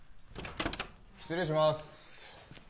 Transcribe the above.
失礼します